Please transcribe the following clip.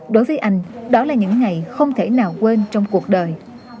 đối với anh đó là những ngày không thể nào quên trong cuộc đời